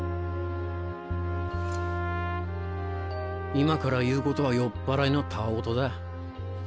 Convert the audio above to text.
今から言うことは酔っぱらいの戯言だ。